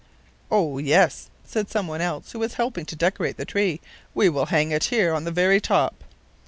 "Oh, yes," said some one else who was helping to decorate the tree; "we will hang it here on the very top."